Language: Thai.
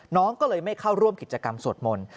น้องก็เลยไม่เข้าร่วมกิจกรรมสวดมนต์